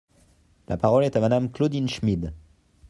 La parole est à Madame Claudine Schmid.